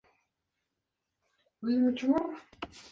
La música, así como el disco están disponibles en Coreano y Mandarín.